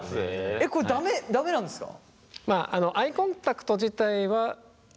えっこれ駄目駄目なんですか？